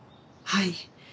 はい。